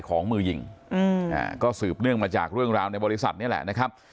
มือยิงก็สืบเนื่องมาจากเรื่องราวในบริษัทนี่แหละนะครับ